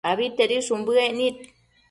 abitedishun bëec nid